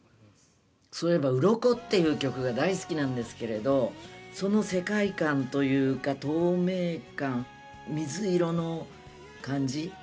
そういえば『鱗』っていう曲が大好きなんですけれどその世界観というか透明感水色の感じ。